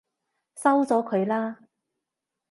收咗佢啦！